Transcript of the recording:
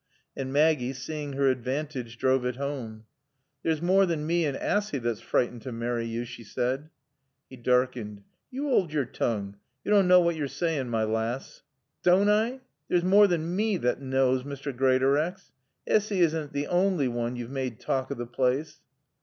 And Maggie, seeing her advantage, drove it home. "There's more than mae and Assy thot's freetened t' marry yo," she said. He darkened. "Yo 'oald yore tongue. Yo dawn't knaw what yo're saayin', my laass." "Dawn't I? There's more than mae thot knaws, Mr. Greatorex. Assy isn't t' awnly woon yo've maade talk o' t' plaace."